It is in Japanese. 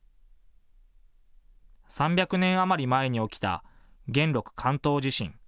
３００年余り前に起きた元禄関東地震。